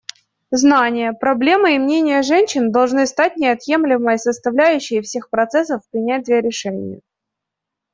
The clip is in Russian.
Знания, проблемы и мнения женщин должны стать неотъемлемой составляющей всех процессов принятия решений.